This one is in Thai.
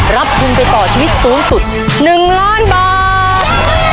รับทุนไปต่อชีวิตสูงสุด๑ล้านบาท